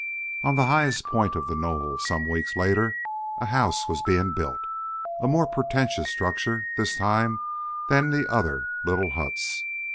On the highest point of the knoll, some few weeks later, a house was being built a more pretentious structure, this, than the other little huts.